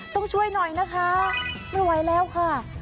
ต้องช่วยหน่อยนะคะไม่ไหวแล้วค่ะ